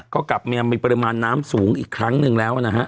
ก็กลับมายังมีปริมาณน้ำสูงอีกครั้งหนึ่งแล้วนะฮะ